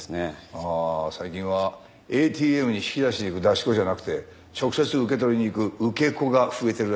ああ最近はＡＴＭに引き出しに行く出し子じゃなくて直接受け取りに行く受け子が増えてるらしいな。